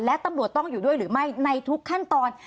และตำรวจต้องอยู่ด้วยหรือไม่ในทุกขั้นตอน